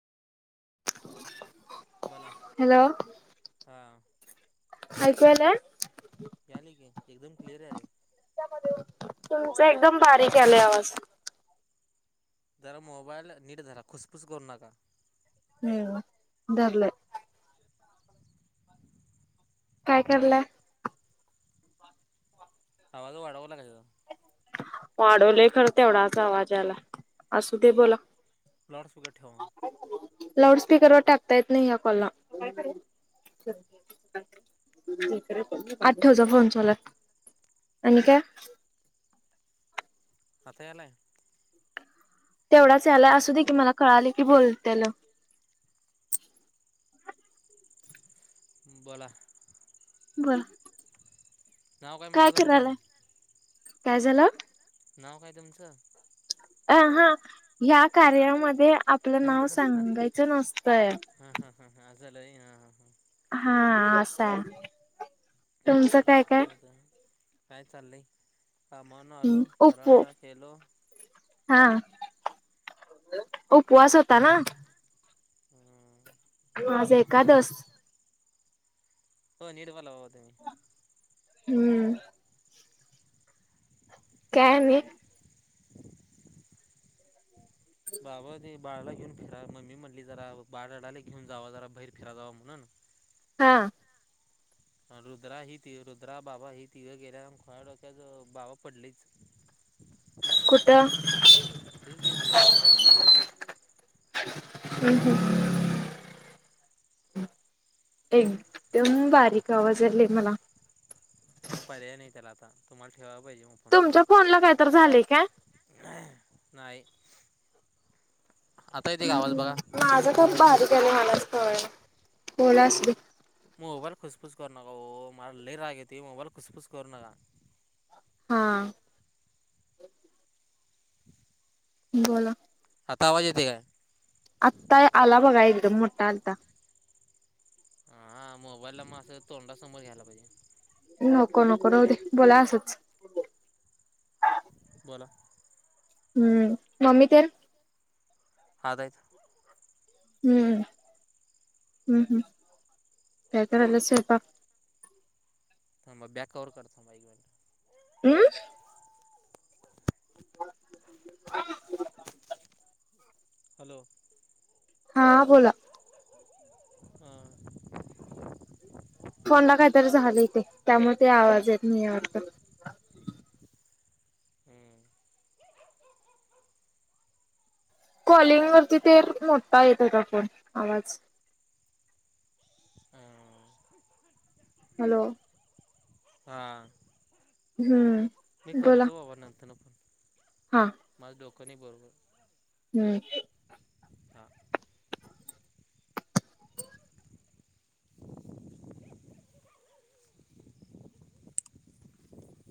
बला हॅलो हा आकवा ना मिले की एकदम क्लिअर झाले तुमच एकदम बारीक आलं आवाज जरा मोबाईल नीट धरा खुसफूस करू नका हम् बरलं काय करलं आवाज वाढवला का वाढवले खरं तेवढाच आवाजला असू दे बोला प्लाटसकरट ठेवण लाउड स्पीकरवरर टाकतायेत नाही कॉल आठवचा फोन चचालात आणि काय साथायाले तेवढाच यालाय असं देखी मला कळाले की बोल त्याला हम्म बोला. बर नाव म्हटला काय तुमचं करालाय काय झालं. नाव काय तुमच? अ हा ह्या कार्यामध्ये आपलं हा नाव हा हा सांगायचं नसतंय. हा हा हा अस झालं होय हा हा हा हां. हा असा [unintelligible] काय चाललंय कामावन आलो उपो फराळा केलो. हा उपवास होता ना. हम्म. आज एकादस. हो निव बला हो त मही. हम्म. [inaudible] काय नही. बाबा ते बाळाला घेऊन फिरा मम्मी म्हटली जरा बाळारडालय घेऊन जावा जरा बाहेर फिरा जावां म्हणून हा. रुद्रा ही तिघ रुद्रा बाबा ही तिघ गेल्यात आणि खुळ्या डोक्याच बाबा पडलयच कुठं इथेच घेऊन बैरराशला इत थँक यू. एक तम बारीक आवाज आला आहे मला. मग पर्याय नाही त्याला आता तुम्हाला ठेवाय पाहिजे मग. तुमच्या फोन ला काहीतरी झालेय काय? नाही. आता येतेय का गावाज बघा. माझं खप बारीक होयलय मलाच कळना बोला असुदे मोबाईल खुसफुस करू नका मला ल रागे त मोबाईल खुस खुस करू नका. हा. बोला. आता आवाज येते काय? आत्ता आला बघा एकदम मोठा आलता. हा हा मोबाईलला मं अस तोंडासमोर घ्यायला पाहिजे. नको नको राहू दे बोला असंच. बोला. हम्म मम्मी तेन. हायत हायत. हम्मम हम्म हम्म काय करल्यात सयंपाक. थांबा बॅक कवर करतो थांबा एक मिनिट. हमं. हॅलो. हा बोला. हा. फोनला काहीतरी झालं तेे त्यामुळे ते आवाज येत नाहीय वाटत. हम्म. कॉलिंग वरती तेर मोठा येत होता फोन आवाज. ह. हॅलो. हा. हम्म. मी करतो बाबा नंतर ना पण. हां. माझं डोकनी बरोबर. हम्म. हा.